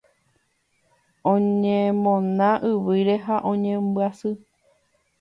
Oñemona yvýre ha oñembyasy.